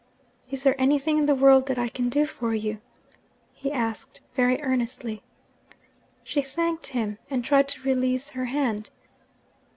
'Is there anything in the world that I can do for you?' he asked very earnestly. She thanked him, and tried to release her hand.